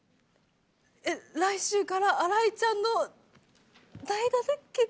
「来週から新井ちゃんの代打決定！」。